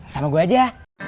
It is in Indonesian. sama gua aja